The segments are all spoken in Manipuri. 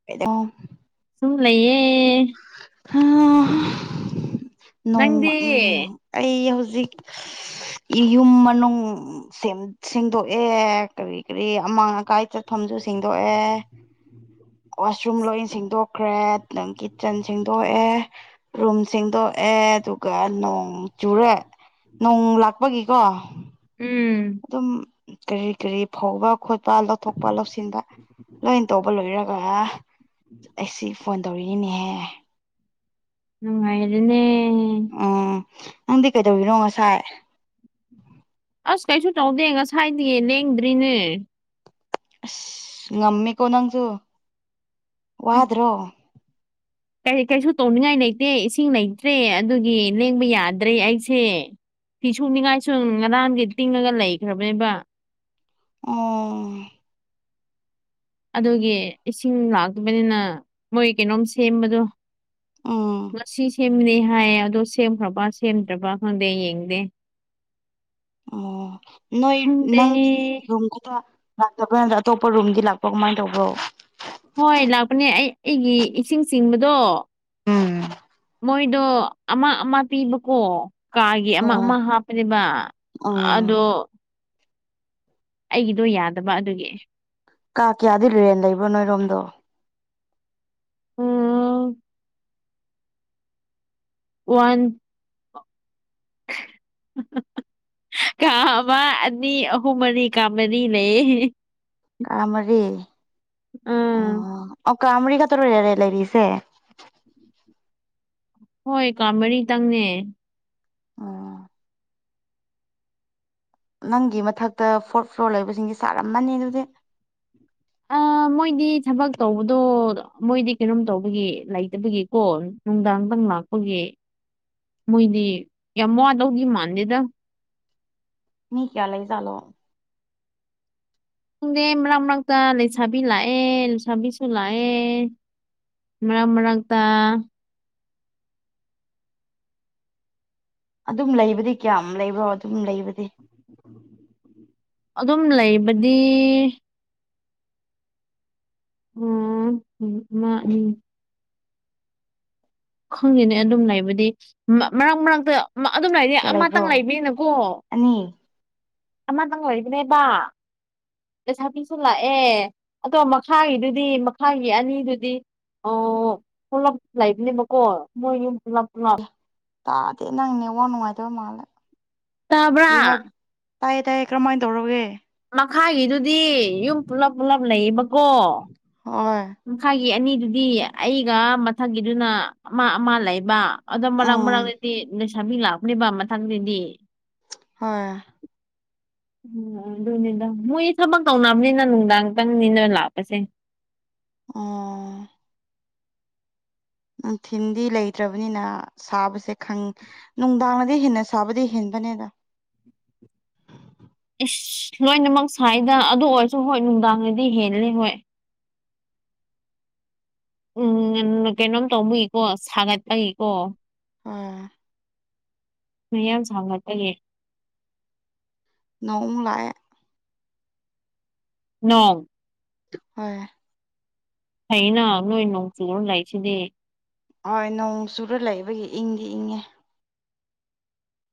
[inaudible] ꯁꯨꯝ ꯂꯩꯌꯦ ꯅꯪꯗꯤ ꯅꯣꯡꯃ ꯎꯝ ꯑꯩ ꯍꯧꯖꯤꯛ ꯏꯌꯨꯝ ꯃꯅꯨꯡ ꯁꯦꯡ ꯁꯦꯡꯗꯣꯛꯑꯦ ꯀꯔꯤ ꯀꯔꯤ ꯑꯃꯥꯡ unintelligible ꯀꯥꯏ ꯆꯠꯐꯝꯖꯨ ꯁꯦꯡꯗꯣꯛꯑꯦ ꯋꯥꯁꯔꯨꯝ ꯂꯣꯏ ꯁꯦꯡꯗꯣꯛꯈ꯭ꯔꯦ ꯅꯪꯒꯤ unintelligible ꯁꯟ ꯁꯦꯡꯗꯣꯛꯑꯦ ꯔꯨꯝ ꯁꯦꯡꯗꯣꯛꯑꯦ ꯑꯗꯨꯒ ꯅꯣꯡ ꯆꯨꯔꯦ ꯅꯣꯡ ꯂꯥꯛꯄꯒꯤꯀꯣ ꯎꯝ ꯑꯗꯨꯝ ꯀꯔꯤ ꯀꯔꯤ ꯐꯧꯕ ꯈꯣꯠꯄ ꯂꯧꯊꯣꯛꯄ ꯂꯧꯁꯤꯟꯕ ꯂꯣꯏꯅ ꯇꯧꯕ ꯂꯣꯏꯔunintelligible ꯑ ꯑꯩꯁꯤ ꯐꯣꯟ ꯇꯧꯔꯤꯅꯤꯅꯦꯍꯦ ꯅꯨꯉꯥꯏꯔꯅꯦ ꯑꯥ ꯅꯪꯗꯤ ꯀꯩꯗꯧꯔꯤꯅꯣ ꯉꯁꯥꯏ ꯑꯁ ꯀꯩꯁꯨ ꯇꯧꯗꯦ ꯉꯁꯥꯏꯗꯤ ꯂꯦꯡꯗ꯭ꯔꯤꯅꯦ ꯑꯁ ꯉꯝꯃꯦꯀꯣ ꯅꯪꯖꯨ ꯋꯥꯗ꯭ꯔꯣ ꯀꯩ ꯀꯩꯁꯨ ꯇꯧꯅꯤꯡꯉꯥꯏ ꯂꯩꯇꯦ ꯏꯁꯤꯡ ꯂꯩꯇ꯭ꯔꯦ ꯑꯗꯨꯒꯤ ꯂꯦꯡꯕ ꯌꯥꯗ꯭ꯔꯦ ꯑꯩꯁꯦ ꯐꯤ ꯁꯨꯅꯤꯡꯉꯥꯏꯁꯨ ꯉꯔꯥꯡꯒꯤ ꯇꯤꯡꯉꯒ ꯂꯩꯈ꯭ꯔꯕꯅꯦꯕ ꯎꯝ ꯑꯗꯨꯒꯤ ꯏꯁꯤꯡ ꯂꯥꯛꯇꯕꯅꯤꯅ ꯃꯣꯏ ꯀꯩꯅꯣꯝ ꯁꯦꯝꯕꯗꯣ ꯎꯝ ꯉꯁꯤ ꯁꯦꯝ unintelligible ꯁꯦꯝꯅꯤ ꯍꯥꯏꯌꯦ ꯑꯗꯣ ꯁꯦꯝꯈ꯭ꯔꯕ ꯁꯦꯝꯗ꯭ꯔꯕ ꯈꯪꯗꯦ ꯌꯦꯡꯗꯦ ꯑꯣ ꯅꯣꯏ ꯈꯪꯗꯦ ꯅꯪꯒꯤ ꯔꯨꯝ ꯈꯛꯇ ꯂꯥꯛꯇꯕꯔ ꯅꯠꯇ꯭ꯔ ꯑꯇꯣꯞꯄ ꯔꯨꯝꯗꯤ ꯂꯥꯛꯄꯔ ꯀꯃꯥꯏ ꯇꯧꯕ꯭ꯔꯣ ꯍꯣꯏ ꯂꯥꯛꯄꯅꯦ ꯑꯩ ꯑꯩꯒꯤ ꯏꯁꯤꯡ ꯆꯤꯡꯕꯗꯣ ꯎꯝ ꯃꯣꯏꯗꯣ ꯑꯃ ꯑꯃ ꯄꯤꯕꯀꯣ ꯀꯥꯒꯤ ꯑꯃ ꯑꯣ ꯑꯃ ꯍꯥꯞꯄꯅꯦꯕ ꯎꯝ ꯑꯗꯣ ꯑꯩꯒꯤꯗꯣ ꯌꯥꯗꯕ ꯑꯗꯨꯒꯤ ꯀꯥ ꯀꯌꯥꯗꯤ ꯔꯦꯟꯇ ꯂꯩꯕ꯭ꯔꯣ ꯅꯣꯏꯔꯣꯝꯗꯣ ꯎꯝ ꯋꯥꯟ [inaudible] ꯀꯥ ꯑꯃ ꯑꯅꯤ ꯑꯍꯨꯝ ꯃꯔꯤ ꯀꯥ ꯃꯔꯤ ꯂꯩꯌꯦ ꯀꯥ ꯃꯔꯤ ꯎꯝ ꯑꯣ ꯑꯣ ꯀꯥ ꯃꯔꯤ ꯈꯠꯇꯔꯣ ꯔꯦꯟꯇ ꯂꯩꯔꯤꯁꯦ ꯍꯣꯏ ꯀꯥ ꯃꯔꯤ ꯇꯪꯅꯦ ꯑꯣ ꯅꯪꯒꯤ ꯃꯊꯛꯇ ꯐꯣꯔꯠ ꯐ꯭ꯂꯣꯔ ꯂꯩꯕꯁꯤꯡꯁꯦ ꯁꯥꯔꯝꯃꯅꯤ ꯑꯗꯨꯗꯤ ꯑꯥ [inaudible] ꯃꯣꯏꯗꯤ ꯊꯕꯛ ꯇꯧꯕꯗꯣ ꯃꯣꯏꯗꯤ ꯀꯩꯅꯣꯝ ꯇꯧꯕꯒꯤ ꯂꯩꯇꯕꯒꯤꯀꯣ ꯅꯨꯡꯗꯥꯡꯗꯪ ꯂꯥꯛꯄꯒꯤ ꯃꯣꯏꯗꯤ ꯌꯥꯝ ꯋꯥꯗꯧꯗꯤ ꯃꯥꯟꯗꯦꯗ ꯃꯤ ꯀꯩꯌꯥ ꯂꯩꯖꯥꯠꯂꯣ ꯈꯪꯗꯦ ꯃꯔꯛ ꯃꯔꯛꯇ ꯂꯩꯁꯥꯕꯤ ꯂꯥꯛꯑꯦ ꯂꯩꯁꯥꯕꯤꯁꯨ ꯂꯥꯛꯑꯦ ꯃꯔꯛ ꯃꯔꯛꯇ ꯑꯗꯨꯝ ꯂꯩꯕꯗꯤ ꯀꯌꯥꯝ ꯂꯩꯕ꯭ꯔꯣ ꯑꯗꯨꯝ ꯂꯩꯕꯗꯤ ꯑꯗꯨꯝ ꯂꯩꯕꯗꯤ ꯎꯝ ꯑꯃꯥ ꯑꯃꯤ ꯈꯪꯗ‌ꯦꯅꯦ ꯑꯗꯨꯝ ꯂꯩꯕꯗꯤ ꯃꯔꯛ ꯃꯔꯛꯇ ꯑꯗꯨꯝ ꯂꯩꯗꯤ ꯀꯌꯥ ꯂꯩꯕ꯭ꯔꯣ ꯑꯃꯇꯪ ꯂꯩꯕꯅꯀꯣ ꯑꯅꯤ ꯑꯃꯇꯪ ꯂꯩꯏꯕꯅꯦꯕ ꯂꯩꯁꯥꯕꯤꯁꯨ ꯂꯥꯛꯑꯦ ꯑꯗꯣ ꯃꯈꯥꯒꯤꯗꯨꯗꯤ ꯃꯈꯥꯒꯤ ꯑꯅꯤꯗꯨꯗꯤ ꯑꯣ ꯄꯨꯂꯞ ꯂꯩꯥꯏꯕꯅꯦꯕꯀꯣ ꯃꯣꯏ ꯌꯨꯝ ꯄꯨꯂꯞ ꯄꯨꯂꯞ ꯇꯥꯗꯦ ꯅꯪꯅꯦ ꯋꯥ ꯅꯨꯡꯉꯥꯏꯇꯕ ꯃꯥꯜꯂꯦ ꯇꯥꯕ꯭ꯔꯥ ꯀ ꯍꯥꯏ [unintelligible] ꯇꯥꯏꯌꯦ ꯇꯥꯏꯌꯦ ꯀꯔꯝꯥꯏꯅ ꯇꯧꯔꯕꯒꯦ ꯃꯈꯥꯒꯤꯗꯨꯗꯤ ꯌꯨꯝ ꯄꯨꯂꯞ ꯄꯨꯜꯂꯞ ꯂꯩꯌꯦꯕꯀꯣ ꯍꫭꯏ ꯃꯈꯥꯏꯒꯤ ꯑꯅꯤꯗꯨꯗꯤ ꯑꯩꯒ ꯃꯊꯪꯒꯤꯗꯨꯅ ꯑꯃ ꯑꯃ ꯂꯩꯕ ꯑꯗꯣ ꯃꯔꯥꯛ ꯎꯝ ꯃꯔꯥꯛꯇꯗꯤ ꯂꯩꯁꯥꯕꯤ ꯂꯥꯛꯄꯅꯦꯕ ꯃꯊꯪꯗꯗꯤ ꯍꯣꯏ ꯎꯝ ꯑꯗꯨꯅꯤꯗ ꯃꯣꯏꯁ ꯊꯕꯛ ꯇꯧꯅꯕꯅꯤꯅ ꯅꯨꯡꯗꯥꯡꯇꯪꯅꯤꯗ ꯂꯥꯛꯄꯁꯦ ꯑꯣ [unintelligible] ꯅꯨꯡꯊꯤꯟꯗꯤ ꯂꯩꯇ꯭ꯔꯕꯅꯤꯅ ꯁꯥꯕꯁꯦ ꯈꯪ ꯅꯨꯡꯗꯥꯡꯅꯗꯤ ꯍꯦꯟꯅ ꯁꯕꯗ ꯍꯟꯕꯅꯦꯗ ꯏꯁ ꯂꯣꯏꯅꯃꯛ ꯁ꯭ꯋꯥꯏꯗ ꯑꯗꯨ ꯑꯣꯏꯔꯁꯨ ꯍꯣꯏ ꯅꯨꯡꯗꯥꯡꯗꯗꯤ ꯍꯦꯜꯂꯦ ꯍꯣꯏ ꯎꯝ ꯀꯩꯅꯣꯝ ꯇꯧꯕꯒꯤꯀꯣ ꯁꯥꯒꯠꯄꯒꯤꯀꯣ ꯑꯥ ꯃꯌꯥꯝ ꯁꯧꯒꯠꯄꯒꯤ ꯅꯣꯡ ꯑꯃꯨꯛ ꯂꯥꯛꯑ‌ꯦ ꯅꫭꯡ ꯍꯣꯏ ꯐꯩꯅ ꯅꯣꯏ ꯅꯣꯡꯆꯨꯨꯔ ꯂꯩꯁꯤꯗꯤ ꯍꯣꯏ ꯅꯣꯡ ꯆꯨꯔ ꯂꯩꯕꯒꯤ ꯏꯪꯗꯤ ꯏꯪꯉꯦ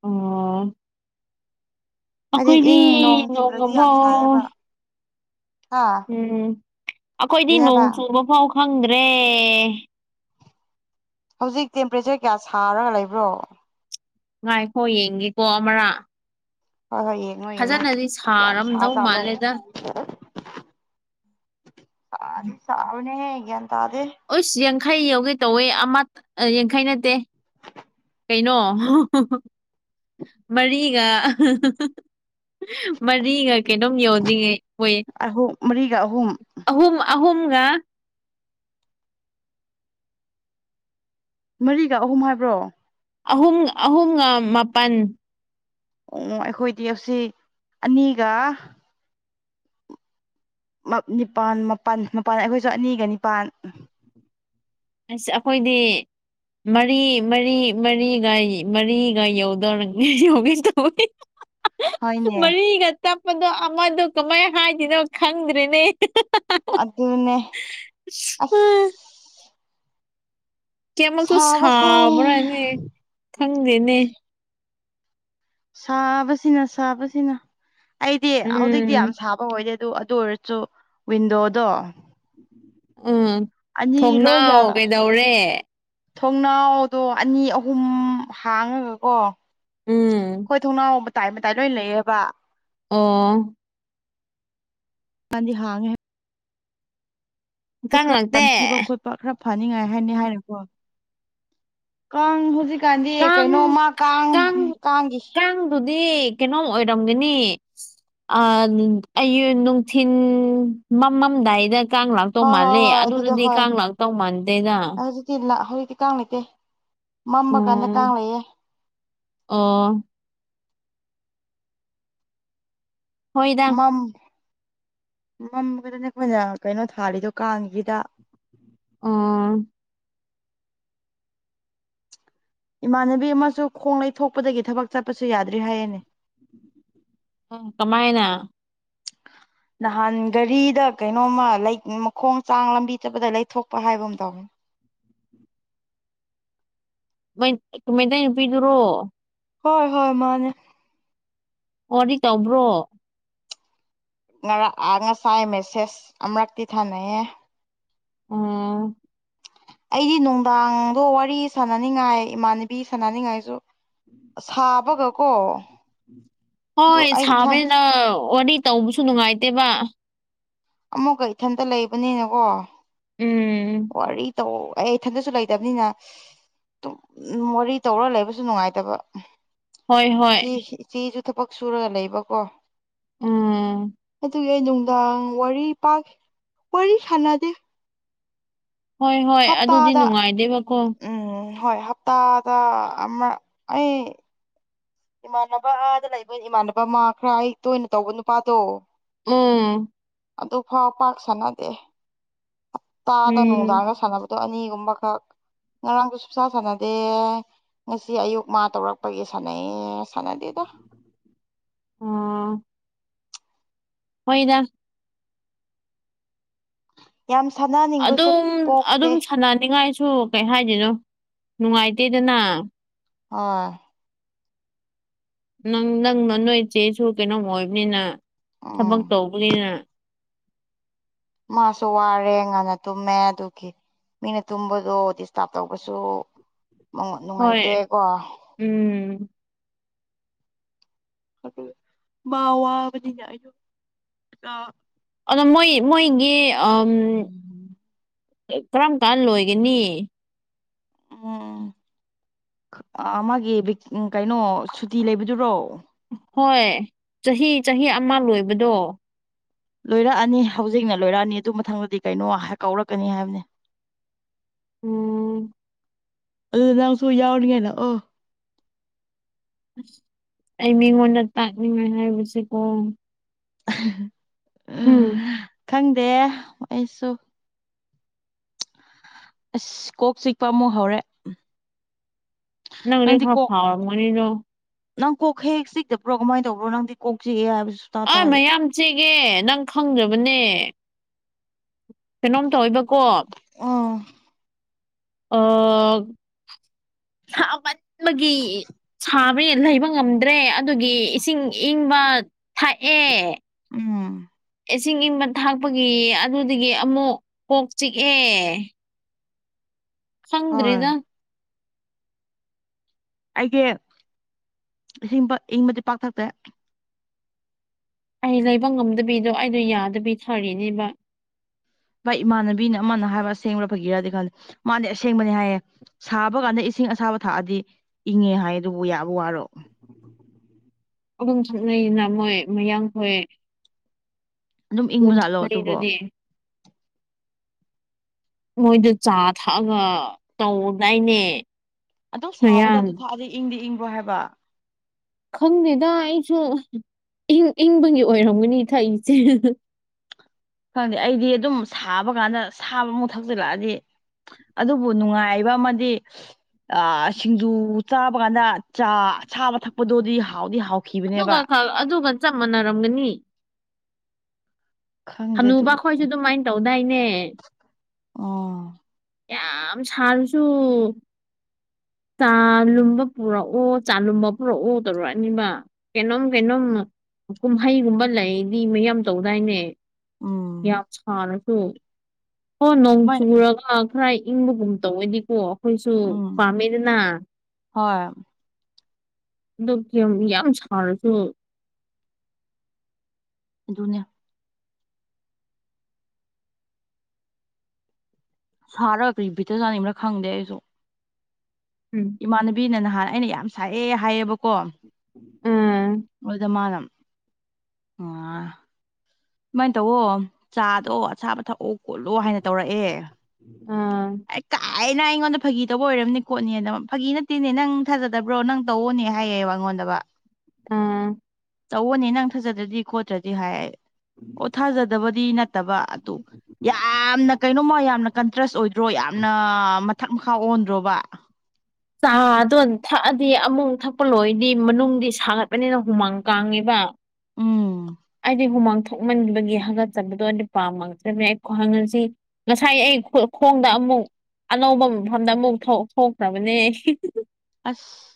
ꯎꯝ ꯍꯥꯏꯗꯤ ꯑꯩꯈꯣꯏꯗꯤ ꯏꯪ ꯅꯣꯡ ꯆꯨꯗ꯭ꯔꯗꯤ ꯌꯥꯝ ꯅꯣꯡꯃꯕꯥꯎ ꯁꯥꯏꯌꯦꯕ ꯍꯥ ꯎꯝ ꯑꯩꯈꯣꯏꯗꯤ ꯀꯔꯤ ꯅꯣꯡ ꯍꯥꯏꯕ ꯆꯨꯕ ꯐꯥꯎ ꯈꯪꯗ꯭ꯔꯦ ꯍꯧꯖꯤꯛ ꯇꯦꯝꯄꯔꯦꯆꯔ ꯀꯌꯥ ꯁꯥꯔꯒ ꯂꯩꯕ꯭ꯔꯣ ꯉꯥꯏꯈꯣ ꯌꯦꯡꯒꯦꯀꯣ ꯑꯃꯔꯥ ꯍꯣꯏ ꯍꯣꯏ ꯌꯦꯡꯉꯣ ꯌꯦꯡꯉꯣ ꯐꯖꯅꯗꯤ ꯀꯌꯥꯝ ꯁꯥ ꯁꯥꯔꯝꯗꯧ ꯖꯥꯠꯂꯣ ꯃꯥꯜꯂꯦꯗ ꯁꯥꯗꯤ ꯁꯥꯕꯅꯦꯍꯦ ꯒꯌ꯭ꯥꯟ ꯇꯥꯗꯦ ꯎꯁ ꯌꯥꯡꯈꯩ ꯌꯧꯒꯦ ꯇꯧꯋꯦ ꯑꯃ ꯌꯥꯡꯈꯩ ꯅꯠꯇꯦ ꯀꯩꯅꯣ ꯃꯔꯤꯒ ꯃꯔꯤ ꯒꯥ ꯀꯩꯅꯣꯝ ꯌꯧꯅꯤꯡꯉꯩ ꯑꯣꯏꯌꯦ ꯑꯍꯨꯝ ꯃꯔꯤꯒ ꯑꯍꯨꯝ ꯑꯍꯨꯝꯝ ꯑꯍꯨꯝꯝꯒ ꯃꯔꯤꯒ ꯑꯍꯨꯝ ꯍꯥꯏꯕ꯭ꯔꯣ ꯑꯍꯨꯝ ꯑꯍꯨꯝꯒ ꯃꯥꯄꯜ ꯎ ꯑꯩꯈꯣꯏꯗꯤ ꯑꯁꯤ ꯑꯅꯤꯒ ꯅꯤꯄꯥꯜ ꯃꯄꯜ ꯃꯄꯜ ꯑꯩꯈꯣꯏꯁꯨ ꯑꯅꯤꯒ ꯅꯤꯄꯥꯥꯟ ꯑꯁ ꯑꯩꯈꯣꯏꯗꯤ ꯃꯔꯤ ꯃꯔꯤ ꯃꯔꯤꯒ ꯃꯔꯤꯒ ꯌꯧꯗꯧꯔꯅꯦ ꯌꯧꯒꯦ ꯇꯧꯏ [unintelligible] ꯃꯔꯤꯒ ꯇꯞꯄꯗꯣ ꯑꯃꯗꯣ ꯀꯃꯥꯏꯅ ꯍꯥꯏꯗꯣꯏꯅꯣ ꯈꯪꯗ꯭ꯔꯦꯅꯦ ꯑꯗꯨꯅꯦ ꯑꯐ [inaudible] ꯀ꯭ꯌꯥꯃꯛꯁꯨ ꯁꯥꯕꯁꯦ ꯁꯥꯕ꯭ꯔꯥꯅꯦ ꯈꯪꯗꯦꯅꯦ ꯁꯥꯕꯁꯤꯅ ꯁꯥꯕꯁꯤꯅ ꯑꯩꯗꯤ ꯍꯧꯖꯤꯛꯇꯤ ꯌꯥꯝ ꯎꯝ ꯁꯥꯕ ꯑꯣ ꯑꯣꯏꯔꯁꯨ ꯑꯗꯨ ꯑꯣꯏꯔꯁꯨ ꯋꯤꯟꯗꯣꯗꯣ ꯎꯝ ꯑꯅꯤ ꯂꯣꯏꯅ ꯊꯣꯡꯅꯥꯎ ꯀꯩꯗꯧꯔꯦ ꯊꯣꯡꯅꯥꯎꯗꯣ ꯑꯅꯤ ꯑꯍꯨꯝ ꯍꯥꯡꯉꯒꯀꯣ ꯎꯝ ꯑꯥꯈꯣꯏ ꯊꯣꯡꯅꯥꯎ ꯃꯇꯥꯏ ꯃꯇꯥꯏ ꯂꯣꯏ ꯂꯩꯑꯦꯕ ꯑꯣ ꯑꯅꯤ ꯍꯥꯡꯉꯦ ꯀꯥꯡ ꯈꯔ ꯂꯥꯛꯇꯦ ꯅꯝꯊꯤꯕ ꯈꯣꯠꯄ ꯈꯔ ꯐꯥꯅꯤꯡꯉꯥꯏ ꯍꯥꯏꯅꯤ ꯍꯥꯏꯔꯦꯀꯣ ꯀꯥꯡ ꯍꯧꯖꯤꯛ ꯍꯧꯖꯤꯛꯀꯥꯟꯗꯤ ꯀꯥꯡ ꯀꯩꯅꯣꯃ ꯀꯥꯡ ꯀꯥꯡꯒꯤ ꯅꯪꯕꯨꯗꯤ ꯀꯩꯅꯣꯝ ꯑꯣꯏꯔꯝꯒꯅꯤ ꯑꯌꯨꯛ ꯅꯨꯡꯊꯤꯟ ꯃꯃꯝꯗꯥꯏꯗ ꯀꯥꯡ ꯂꯥꯛꯇꯧ ꯍꯣꯏ ꯍꯣꯏ ꯃꯥꯜꯂꯦ ꯍꯣꯏ ꯑꯗꯨꯗ ꯑꯗꯨꯗꯨꯗꯤ ꯀꯥꯡ ꯂꯥꯛꯇꯧ ꯃꯥꯟꯗꯦꯅꯥ ꯂꯥ ꯍꯧꯖꯤꯛꯇꯤ ꯀꯥꯡ ꯂꯩꯇꯦ ꯃꯝꯃ ꯀꯥꯟꯗ ꯑꯣ ꯀꯥꯡ ꯂꯩꯌꯦ ꯑꯣ ꯍꯣꯏꯗ ꯃꯝ ꯃꯝꯕꯗꯨꯅꯦ ꯑꯩꯈꯣꯏꯅ ꯀꯩꯅꯣ ꯊꯥꯔꯤꯗꯣ ꯀꯥꯡ ꯍꯤꯗꯥꯛ ꯑꯣ ꯏꯃꯥꯟꯅꯕꯤ ꯑꯃꯁꯨ ꯈꯣꯡ ꯂꯩꯊꯣꯛꯄꯗꯒꯤ ꯊꯕꯛ ꯆꯠꯄꯁꯨ ꯌꯥꯗ꯭ꯔꯦ ꯍꯥꯏꯌꯦꯅꯦ ꯑ ꯀꯃꯥꯏꯅ [unintelligible] ꯅꯍꯥꯟ ꯒꯥꯔꯤꯗ ꯀꯩꯅꯣꯝꯃ ꯂꯩ ꯃꯈꯣꯡ ꯆꯥꯡ ꯂꯝꯕꯤ ꯆꯠꯄꯗ ꯂꯩꯊꯣꯛꯄ ꯍꯥꯏꯕꯒꯨꯝ ꯇꯧꯕꯅꯦ ꯃꯩꯇꯩ ꯅꯨꯄꯤꯗꯨꯔꯣ ꯍꯣꯏ ꯍꯣꯏ ꯃꯥꯅꯦ ꯐꯣꯟꯗꯤ ꯇꯧꯕ꯭ꯔꯣ ꯉꯔꯥꯡ ꯑ ꯉꯁꯥꯏ ꯃꯦꯁꯦꯁ ꯑꯃꯨꯔꯛꯇꯤ ꯊꯥꯅꯩꯌꯦ ꯑꯥ ꯑꯩꯗꯤ ꯅꯨꯡꯗꯥꯡꯗꯣ ꯋꯥꯔꯤ ꯁꯥꯟꯅꯅꯤꯡꯉꯥꯏ ꯏꯃꯥꯟꯅꯕꯤ ꯁꯥꯟꯅꯅꯤꯡꯉꯥꯏꯁꯨ ꯁꯥꯕꯒ ꯀꯣ ꯍꯣꯏ ꯁꯥꯕꯅꯤꯅ ꯋꯥꯔꯤ ꯇꯧꯕꯁꯨ ꯅꯨꯡꯉꯥꯏꯇꯦꯕ ꯑꯃꯨꯛꯀ ꯏꯊꯟꯇ ꯂꯩꯕꯅꯤꯅꯀꯣ ꯎꯝ ꯋꯥꯔꯤ ꯇꯧ ꯑꯩ ꯏꯊꯟꯗꯁꯨ ꯂꯩꯇꯕꯅꯤꯅ ꯋꯥꯔꯤ ꯇꯧꯔ ꯂꯩꯕꯁꯨ ꯅꯨꯡꯉꯥꯏꯇꯕ ꯍꯣꯏ ꯍꯣꯏ ꯆꯦ ꯆꯦꯁꯨ ꯊꯕꯛ ꯁꯨꯔꯒ ꯂꯩꯕꯀꯣ ꯎꯝ ꯑꯗꯨꯒꯤ ꯑꯩ ꯅꯨꯡꯗꯥꯡ ꯋꯥꯔꯤ ꯄꯥꯛ ꯋꯥꯔꯤ ꯁꯥꯟꯅꯗꯦ ꯍꯣꯏ ꯍꯣꯏ ꯑꯗꯨꯗꯤ ꯍꯞꯇꯥꯗ ꯅꯨꯡꯉꯥꯏꯗꯦꯕꯀꯣ ꯎꯝ ꯍꯣꯏ ꯍꯞꯇꯥꯗ ꯑꯃ ꯑꯩ ꯏꯃꯥꯟꯅꯕ ꯑꯥꯗ ꯂꯩꯕ ꯏꯃꯥꯟꯅꯕ ꯃꯥ ꯈꯔ ꯑꯩ ꯇꯣꯏꯅ ꯇꯧꯕ ꯅꯨꯄꯥꯗꯣ ꯎꯝ ꯑꯗꯨꯐꯥꯎ ꯄꯥꯛ ꯁꯥꯟꯅꯗꯦ ꯇꯥꯗ ꯎꯝ ꯅꯨꯡꯗꯥꯡꯒ ꯁꯥꯟꯅꯕ ꯑꯣ ꯑꯅꯤꯒꯨꯝꯕ ꯈꯛ ꯉꯔꯥꯡꯁꯨ ꯁꯨꯡꯁꯥꯟ ꯁꯥꯟꯅꯗꯦ ꯉꯁꯤ ꯑꯌꯨꯛ ꯃꯥ ꯇꯧꯔꯛꯄꯒꯤ ꯁꯥꯟꯅꯩ ꯑ‌ꯣ ꯁꯥꯟꯅꯗ‌ꯦꯗ ꯑꯣ ꯃ‌ꯣꯏꯅ ꯌꯥꯝ ꯁꯥꯟꯅ ꯑꯗꯨꯝ ꯑꯗꯨꯝ ꯁꯥꯟꯅꯅꯤꯡꯉꯥꯏꯁꯨ ꯀꯩ ꯍꯥꯏꯗꯣꯏꯅꯣ ꯅꯨꯡꯉꯥꯏꯇꯦꯗꯅ ꯍ‌ꯣꯏ ꯅꯪ ꯅꯪ ꯅ ꯅꯣꯏ ꯆꯦꯁꯨ ꯀꯩꯅꯣꯝ ꯑꯣꯏꯕꯅꯤꯅ ꯎꯝ ꯊꯕꯛ ꯇꯧꯕꯅꯤꯅ ꯃꯥꯁꯨ ꯋꯥꯔꯦ ꯉꯟꯅ ꯇꯨꯝꯃꯦ ꯑꯗꯨꯒꯤ ꯃꯤꯅ ꯇꯨꯝꯕꯗꯣ ꯗꯤꯁꯇꯥꯞ ꯇꯧꯕꯁꯨ ꯍꯣꯏ ꯅꯨꯡꯉꯥꯏꯇꯦꯀꯣ ꯎꯝ ꯃꯥ ꯋꯥꯕꯗꯤ ꯑꯩꯁꯨ ꯑ ꯑꯗꯣ ꯃꯣꯏ ꯃꯣꯏꯒꯤ ꯎꯝ ꯀꯔꯝ ꯀꯥꯟ ꯂꯣꯏꯒꯅꯤ ꯎꯝ ꯑꯥ ꯃꯥꯒꯤ ꯀꯩꯅꯣ ꯁꯨꯇꯤ ꯂꯩꯕꯗꯨꯔꯣ ꯍꯣꯏ ꯆꯍꯤ ꯆꯍꯤ ꯑꯃ ꯂꯣꯏꯕꯗꯣ ꯂꯣꯏꯔꯛꯑꯅꯤ ꯍꯧꯖꯤꯛꯅ ꯂꯣꯏꯔꯛꯑꯅꯤ ꯑꯗꯨ ꯃꯊꯪꯗꯗꯤ ꯀꯩꯅꯣ ꯀꯥꯎꯔꯛꯀꯅꯤ ꯍꯥꯏꯕꯅꯦ ꯎꯝ ꯑꯗꯨꯗ ꯅꯪꯁꯨ ꯌꯥꯎꯅꯤ ꯉꯥꯏ ꯂꯥꯛꯑꯣ ꯑꯁ ꯑꯩ ꯃꯤꯉꯣꯟꯗ ꯇꯥꯛꯅꯤꯡꯉꯥꯏ ꯍꯥꯏꯕꯁꯤꯀꯣ [unintelligible] ꯎꯝ ꯈꯪꯗꯦ ꯑꯩꯁꯨ ꯑꯁ ꯀꯣꯛ ꯆꯤꯛꯄ ꯑꯃꯨꯛ ꯍꯧꯔꯦ ꯅꯪꯗꯤ ꯈ ꯐꯥꯎ ꯔꯝꯃꯅꯤꯗꯣ ꯅꯪ ꯀꯣꯛꯈꯦꯛ ꯆꯤꯛꯇꯕ꯭ꯔꯣ ꯀꯃꯥꯏꯅ ꯇꯧꯕ꯭ꯔꯣ ꯅꯪꯗꯤ ꯀꯣꯛ ꯆꯤꯛꯑꯦ ꯍꯥꯏꯕꯁꯨ ꯁꯨꯇꯥ ꯑ ꯇꯥꯗꯦ ꯃꯌꯥꯝ ꯆꯤꯛꯑꯦ ꯅꯪ ꯈꯪꯗꯕꯅꯦ ꯀꯩꯅꯣꯝ ꯇꯧꯑꯦꯕꯀꯣ ꯑꯣ ꯑꯥ ꯁꯥꯃꯟꯕꯒꯤ ꯁꯥ ꯂꯩꯕ ꯉꯝꯗ꯭ꯔꯦ ꯑꯗꯨꯒꯤ ꯏꯁꯤꯡ ꯏꯪꯕ ꯊꯥꯛꯑꯦ ꯎꯝ ꯏꯁꯤꯡ ꯏꯪꯕ ꯊꯥꯛꯄꯒꯤ ꯑꯗꯨꯗꯒꯤ ꯑꯃꯨꯛ ꯀꯣꯛ ꯆꯤꯛꯑꯦ ꯍꯣꯏ ꯈꯪꯗ꯭ꯔꯤꯗ ꯑꯩꯒꯤ ꯏꯁꯤꯡ ꯏꯪꯕꯗꯤ ꯄꯥꯛꯊꯛꯇꯦ ꯑꯩ ꯂꯩꯕ ꯉꯝꯗꯕꯤꯗꯣ ꯑꯩꯗꯣ ꯌꯥꯗꯕꯤ ꯐꯔꯤꯅꯦꯕ ꯚꯥꯏ ꯏꯃꯥꯟꯅꯕꯤꯅ ꯑꯃꯅ ꯍꯥꯏꯕ ꯑꯁꯦꯡꯕ ꯐꯩꯒꯤꯔꯗꯤ ꯈꯜꯗꯦ ꯃꯥꯗꯤ ꯑꯁꯦꯡꯕꯅꯦ ꯍꯥꯏꯌꯦ ꯁꯥꯕ ꯀꯥꯟꯗ ꯏꯁꯤꯡ ꯑꯁꯥꯕ ꯊꯥꯛꯑꯗꯤ ꯏꯪꯉꯦ ꯍꯥꯏ ꯑꯗꯨꯕꯨ ꯌꯥꯕ ꯋꯥꯔꯣ ꯑꯗꯨꯝ ꯊꯛꯅꯩꯅ ꯃꯣꯏ ꯃꯌꯥꯡꯈꯣꯏ ꯑꯗꯨꯝ ꯏꯪꯕꯖꯥꯠꯂꯣ ꯑꯗꯨꯕꯣ ꯃꯣꯏꯗ‌ꯣ ꯆꯥ ꯊꯛꯑꯒ ꯇꯧꯗꯥꯏꯅꯦ ꯑꯗꯨ ꯁꯥꯕꯗ ꯃꯌꯥꯝ ꯑꯗꯨ ꯊꯥꯛꯑꯗꯤ ꯏꯪꯗꯤ ꯏꯪꯕ꯭ꯔꯣ ꯍꯥꯏꯕ ꯈꯪꯗꯦꯗ ꯑꯩꯁꯨ ꯏꯪ ꯏꯪꯕꯒꯤ ꯑꯣꯏꯔꯝꯒꯅꯤ ꯊꯛꯏꯁꯦ ꯈꯪꯗꯦ ꯑꯩꯗꯤ ꯑꯗꯨꯝ ꯁꯥꯕ ꯀꯥꯟꯗ ꯁꯥꯕ ꯃꯨꯛ ꯊꯛꯆꯤꯜꯂꯛꯑꯗꯤ ꯑꯗꯨꯕꯨ ꯅꯨꯡꯉꯥꯏꯕ ꯑꯃꯗꯤ ꯑ ꯁꯤꯡꯖꯨ ꯆꯥꯕ ꯀꯥꯟꯗ ꯆꯥ ꯑꯁꯥꯕ ꯊꯛꯄꯗꯣꯗꯤ ꯍꯥꯎꯗꯤ ꯍꯥꯎ ꯑꯗꯨꯒ ꯈꯛ ꯑꯗꯨꯒ ꯆꯞ ꯃꯥꯟꯅꯔꯝꯒꯅꯤ ꯈꯪꯗꯦ ꯍꯅꯨꯕ ꯑꯗꯨꯕꯨꯗꯤ ꯈꯣꯏꯁꯨ ꯑꯗꯨꯃꯥꯏ ꯇꯧꯗꯥꯏꯅꯦ ꯑꯣ ꯌꯥꯝ ꯁꯥꯔꯁꯨ ꯆꯥ ꯂꯨꯝꯕ ꯄꯨꯔꯛꯑꯣ ꯆꯥꯂꯨꯝꯕ ꯄꯨꯔꯛꯑꯣ ꯇꯧꯔꯛꯑꯅꯤꯕ ꯀꯩꯅꯣꯝ ꯀꯩꯅꯣꯝ ꯀꯨꯝꯍꯩꯒꯨꯝꯕ ꯂꯩꯗꯤ ꯃꯌꯥꯝ ꯇꯧꯗꯥꯏꯅꯦ ꯎꯝ ꯌꯥꯝ ꯁꯥꯔꯁꯨ ꯍꯣ ꯅꯣꯡ ꯃꯣꯏ ꯆꯨꯔꯒ ꯈꯔ ꯏꯪꯕꯒꯨꯝ ꯇꯧꯋꯦꯅꯦꯀꯣ ꯑꯩꯈꯣꯏꯁꯨ ꯎꯝ ꯄꯥꯝꯃꯦꯗꯅ ꯍꯣꯏ ꯗꯨ ꯀꯤ ꯌꯥꯝ ꯁꯔꯁꯨ ꯑꯗꯨꯅꯦ ꯁꯥꯔ ꯀꯔꯤ ꯕꯤꯠꯇ ꯆꯥꯅꯤꯡꯕ꯭ꯔꯥ ꯈꯪꯗꯦ ꯑꯩꯁꯨ ꯎꯝ ꯏꯃꯥꯟꯅꯕꯤꯅ ꯅꯍꯥꯟ ꯑꯩꯅ ꯌꯥꯝ ꯁꯥꯏꯌꯦ ꯍꯥꯏꯌꯦꯕꯀꯣ ꯎꯝ ꯑꯗꯨꯗ ꯃꯥꯅ ꯑꯥ ꯁꯨꯃꯥꯏ ꯇꯧꯋꯣ ꯆꯥꯗꯣ ꯑꯁꯥꯕ ꯊꯛꯑꯣ ꯈꯣꯠꯂꯣ ꯍꯥꯏꯅ ꯇꯧꯔꯛꯑꯦ ꯑꯥ ꯑꯩꯀꯥ ꯑꯩꯅ ꯑꯩꯉꯣꯟꯗ ꯐꯥꯒꯤ ꯇꯧꯕ ꯑꯣꯏꯔꯝꯅꯤ ꯈꯣꯠꯅꯤꯅ ꯐꯥꯒꯤ ꯅꯠꯇꯦꯅꯦ ꯅꯪ ꯊꯥꯖꯗꯕ꯭ꯔꯣ ꯅꯪ ꯇꯧꯑꯣꯅꯦ ꯍꯥꯏꯌꯦꯕ ꯑꯩꯉꯣꯟꯗ ꯗꯕ ꯎꯝ ꯇꯧꯑꯣꯅꯦ ꯅꯪ ꯊꯖꯗ꯭ꯔꯗꯤ ꯈꯣꯠꯇ꯭ꯔꯗꯤ ꯍꯥꯏ ꯑꯣ ꯊꯥꯖꯗꯕꯗꯤ ꯅꯠꯇꯕ ꯑꯗꯨ ꯌꯥꯝꯅ ꯀꯩꯅꯣꯃ ꯌꯥꯝꯅ ꯀꯟꯇ꯭ꯔꯁ ꯑꯣꯏꯗ꯭ꯔꯣ ꯌꯥꯝꯅ ꯃꯊꯛ ꯃꯈꯥ ꯑꯣꯟꯗ꯭ꯔꯣꯕ ꯆꯥꯗꯣ ꯊꯛꯑꯗꯤ ꯑꯃꯨꯛ ꯊꯛꯄ ꯂꯣꯏꯗꯤ ꯃꯅꯨꯡꯗꯤ ꯁꯥꯒꯠꯄꯅꯤꯅ ꯍꯨꯃꯥꯡ ꯀꯥꯡꯉꯤꯕ ꯎꯝ ꯑꯩꯗꯤ ꯍꯨꯃꯥꯡ ꯊꯣꯛꯃꯟꯕꯒꯤ ꯍꯥꯒꯠꯆꯕꯗꯣ ꯄꯥꯝꯃꯛꯇ꯭ꯔꯕꯅꯤ ꯑꯩ ꯈꯣꯍꯪꯁꯤ ꯉꯁꯥꯏ ꯑꯩ ꯈꯣꯡꯗ ꯑꯃꯨꯛ ꯑꯅꯧꯕ ꯃꯐꯝꯗ ꯑꯃꯨꯛ ꯊꯣꯛꯇ꯭ꯔꯕꯅꯦ ꯑꯁ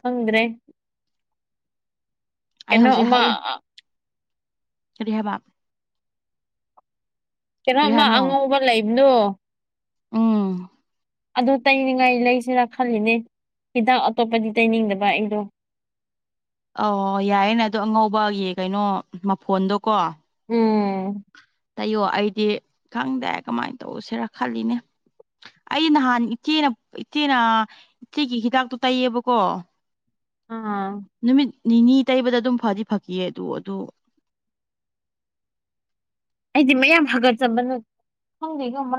ꯈꯪꯗ꯭ꯔꯦ ꯑꯩ ꯀꯩꯅꯣ ꯍꯧꯖꯤꯛ ꯑꯃ ꯍꯩ ꯀꯔꯤ ꯍꯥꯏꯕ ꯀꯩꯅꯣꯝ ꯀꯔꯤ ꯑꯃ ꯍꯥꯏꯕꯅꯣ ꯑꯉꯧꯕ ꯂꯩꯕꯗꯨ ꯎꯝ ꯑꯗꯨ ꯇꯩꯅꯤꯡꯉꯥꯏ ꯂꯩꯁꯤꯔ ꯈꯜꯂꯤꯅꯦ ꯍꯤꯗꯥꯛ ꯑꯇꯣꯞꯄꯗꯤ ꯇꯩꯅꯤꯡꯗꯕ ꯑꯩꯗꯣ ꯑꯣ ꯌꯥꯏꯌꯦꯅ ꯑꯗꯣ ꯑꯉꯧꯕꯒꯤ ꯀꯩꯅꯣ ꯃꯐꯣꯟꯗꯣꯀꯣ ꯎꯝ ꯇꯩꯌꯣ ꯑꯩꯗꯤ ꯈꯪꯗꯦ ꯀꯃꯥꯏꯅ ꯇꯧꯁꯤꯔ ꯈꯜꯂꯤꯅꯦ ꯑꯩ ꯅꯍꯥꯟ ꯏꯆꯦꯅ ꯏꯆꯦꯅ ꯏꯆꯦꯒꯤ ꯍꯤꯗꯥꯛꯇꯣ ꯇꯩꯌꯦꯕꯀꯣ ꯑꯥ ꯅꯨꯃꯤꯠ ꯅꯤꯅꯤ ꯇꯩꯕꯗ ꯑꯗꯨꯝ ꯐꯗꯤ ꯐꯈꯤꯌꯦ ꯑꯗꯨ ꯑꯗꯨ ꯑꯩꯗꯤ ꯃꯌꯥꯝ ꯍꯥꯒꯥꯖꯕꯅꯥ ꯈꯪꯗꯦꯗꯥ